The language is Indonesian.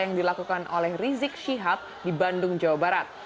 yang dilakukan oleh rizik syihab di bandung jawa barat